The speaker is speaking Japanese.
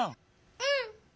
うん！